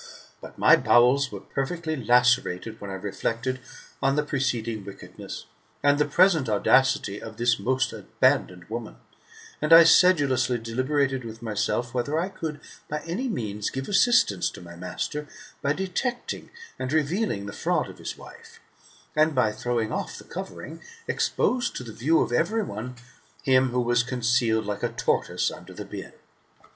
But my bowels were profoundly lacerated, when I reflected on the preceding wickedness and the present audacity of this most abandoned woman ; and I sedulously deliberated with myself whether I could by any means give assistance to my master, by detect ing and revealing the fraud [of his wife], and by throwing off the covering, expose to the view of every one him who was con cealed like a tortoise under the bin.